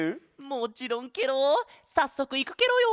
もちろんケロさっそくいくケロよ！